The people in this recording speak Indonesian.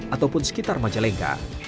ataupun sekitar majalengka